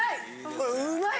これうまい！